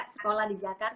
sekolah di jakarta